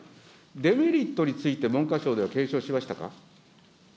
デメリットについて、文科省では検証しましたか。